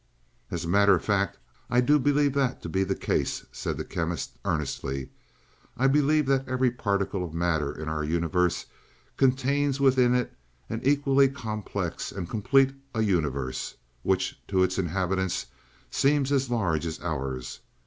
"As a matter of fact, I do believe that to be the case," said the Chemist earnestly. "I believe that every particle of matter in our universe contains within it an equally complex and complete a universe, which to its inhabitants seems as large as ours.